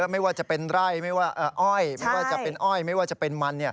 ไม่ว่าจะเป็นอ้อยไม่ว่าจะเป็นมัน